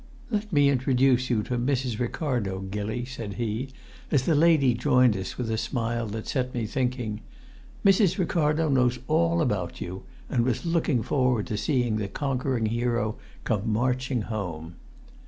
"Let me introduce you to Mrs. Ricardo, Gilly," said he, as the lady joined us with a smile that set me thinking. "Mrs. Ricardo knows all about you, and was looking forward to seeing the conquering hero come marching home."